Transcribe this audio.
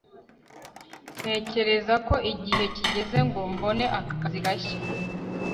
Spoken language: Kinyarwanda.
ntekereza ko igihe kigeze ngo mbone akazi gashya